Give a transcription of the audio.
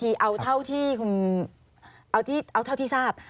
รีปนั้นถามอีกทีเอาเท่าที่ทราบ